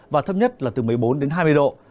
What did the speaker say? và thấp nhất là từ một mươi bốn đến hai mươi độ